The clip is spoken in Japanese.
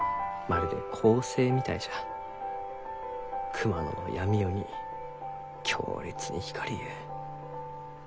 熊野の闇夜に強烈に光りゆう。